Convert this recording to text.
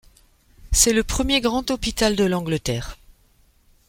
C'est le premier grand hôpital de l'Angleterre.